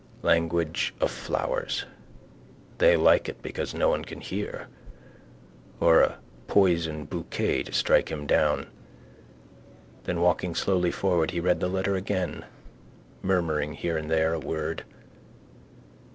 Language of flowers. They like it because no one can hear. Or a poison bouquet to strike him down. Then walking slowly forward he read the letter again, murmuring here and there a word.